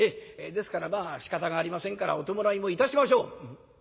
「ですからまあしかたがありませんからお葬式もいたしましょう」。